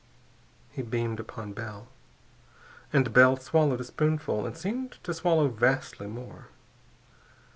_" He beamed upon Bell, and Bell swallowed a spoonful and seemed to swallow vastly more.